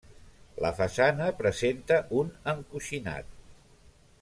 La façana presenta un encoixinat.